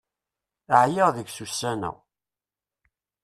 Ɛyiɣ deg-s ussan-a.